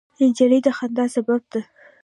نجلۍ د خندا سبب ده.